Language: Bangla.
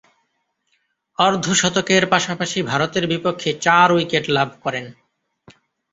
অর্ধ-শতকের পাশাপাশি ভারতের বিপক্ষে চার উইকেট লাভ করেন।